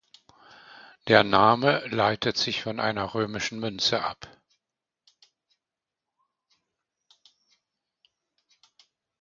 Der Name leitet sich von einer römischen Münze ab.